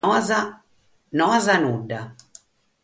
Noas nudda.